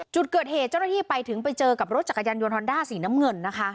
จุดเกิดเหตุเจ้าหน้าที่ไปถึงไปเจอกับรถจักรยานยนต์ฮอนด้าสีน้ำเงินนะคะ